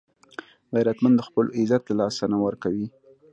غیرتمند د خپلو عزت له لاسه نه ورکوي